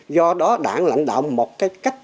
do đó đảng lãnh đạo một cái cách